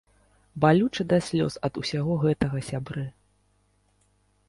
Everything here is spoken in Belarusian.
Балюча да слёз ад усяго гэтага, сябры.